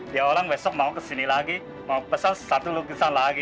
dia orang besok mau kesini lagi mau pesan satu lukisan lagi